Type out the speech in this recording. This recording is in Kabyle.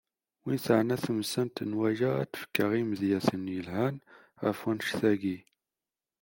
Wid teɛna temsalt n waya ad d-fkeɣ imedyaten yelhan ɣef wanect-agi.